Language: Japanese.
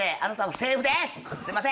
すいません